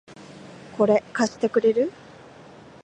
これ、貸してくれる？